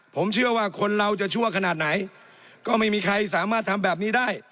ผมเชื่อว่าคนเราจะชั่วขนาดไหนก็ไม่มีใครสามารถทำแบบนี้ได้